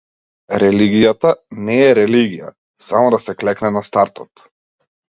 Религијата не е религија - само да се клекне на стартот.